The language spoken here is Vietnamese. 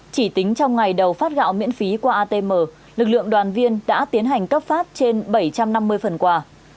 chỉ tính trong ngày đầu phát gạo miễn phí qua atm lực lượng đoàn viên đã tiến hành cấp phát trên bảy trăm năm mươi phần quà